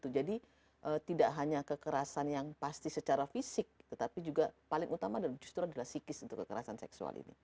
jadi tidak hanya kekerasan yang pasti secara fisik tetapi juga paling utama dan justru adalah psikis untuk kekerasan seksual ini